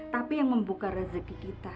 tapi yang membuka rezeki kita